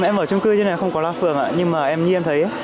em ở trong cư thế này không có loa phưởng ạ nhưng mà em như em thấy